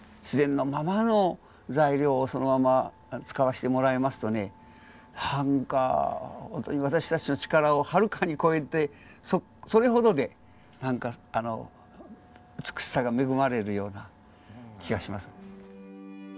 自然のままの材料をそのまま使わしてもらいますとねなんかほんとに私たちの力をはるかに超えてそれほどで美しさが恵まれるような気がします。